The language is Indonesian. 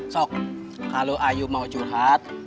sok kalau ayu mau curhat